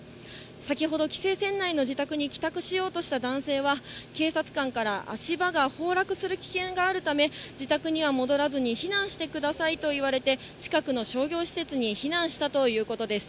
先ほど、規制線内の自宅に帰宅しようとした男性は、警察官から足場が崩落する危険があるため、自宅には戻らずに避難してくださいと言われて、近くの商業施設に避難したということです。